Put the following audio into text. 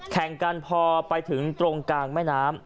แข่งกันพอไปถึงตรงกลางแม่น้ำ